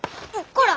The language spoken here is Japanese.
こら！